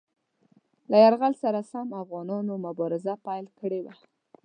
له یرغل سره سم افغانانو مبارزه پیل کړې وه.